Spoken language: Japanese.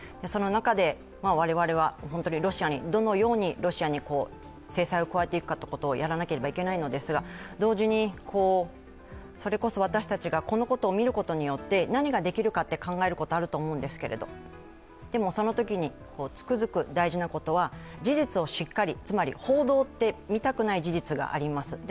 その中で我々は本当にロシアに、どのようにロシアに制裁を加えていけばいいのかということをやらなければいけないのですが同時に、それこそ私たちがこのことを見ることによって何ができるか考えることがあると思うんですけれどもでも、そのことにつくづく大事なことは事実をしっかり、つまり報道って見たくない事実があります。